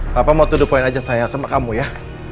bapak mau tuduh poin aja saya sama kamu ya